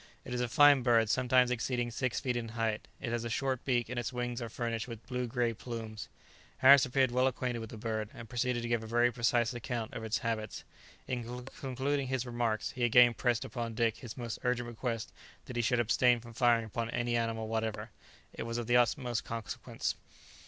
It is a fine bird, sometimes exceeding six feet in height; it has a short beak, and its wings are furnished with blue grey plumes. Harris appeared well acquainted with the bird, and proceeded to give a very precise account of its habits. In concluding his remarks, he again pressed upon Dick his most urgent request that he should abstain from firing upon any animal whatever. It was of the utmost consequence.